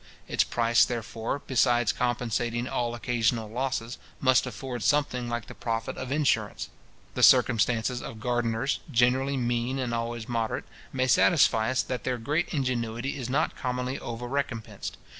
Its price, therefore, besides compensating all occasional losses, must afford something like the profit of insurance. The circumstances of gardeners, generally mean, and always moderate, may satisfy us that their great ingenuity is not commonly over recompensed.